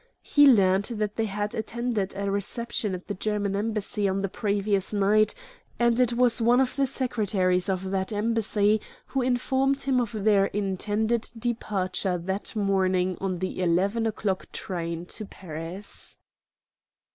He learned that they had attended a reception at the German Embassy on the previous night, and it was one of the secretaries of that embassy who informed him of their intended departure that morning on the eleven o'clock train to Paris.